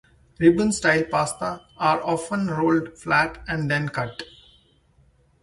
Ribbon style pasta are often rolled flat and then cut.